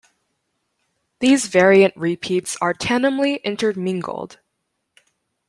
These variant repeats are tandemly intermingled.